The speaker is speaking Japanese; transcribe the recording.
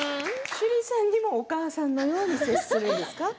趣里さんもお母さんのように接するんですか。